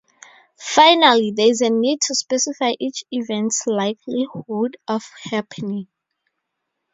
Finally, there is a need to specify each event's likelihood of happening.